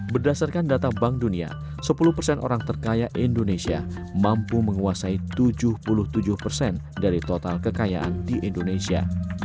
berdasarkan data bank dunia sepuluh persen orang terkaya indonesia mampu menguasai tujuh puluh tujuh persen dari total kekayaan di indonesia